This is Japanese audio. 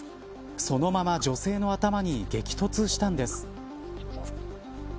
そのまま女性の頭に激突したんです。